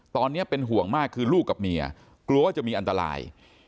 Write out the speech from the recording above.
ตอนนี้เป็นห่วงมากคือลูกกับเมียกลัวว่าจะมีอันตราย